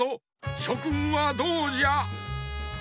しょくんはどうじゃ？